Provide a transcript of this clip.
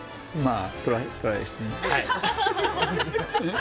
あ